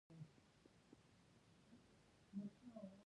دوهم کس په ټیم کې ټیکنالوژیست دی.